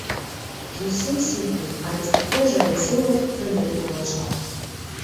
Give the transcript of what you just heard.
Зусім сівы, але з такой жа вясёлай хітрынкай у вачах.